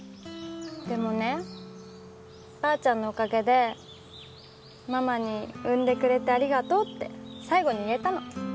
でもねばあちゃんのおかげでママに「産んでくれてありがとう」って最後に言えたの。